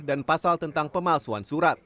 dan pasal tentang pemalsuan surat